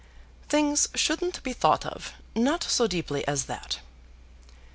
"Things shouldn't be thought of, not so deeply as that."